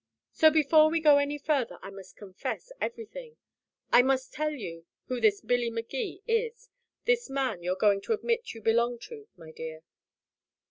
So before we go any further I must confess everything I must tell you who this Billy Magee is this man you're going to admit you belong to, my dear."